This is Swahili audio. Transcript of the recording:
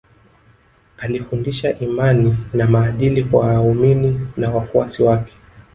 Alifundisha imani na maadili kwa waaumini na wafuasi wake